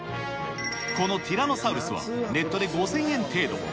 このティラノサウルスはネットで５０００円程度。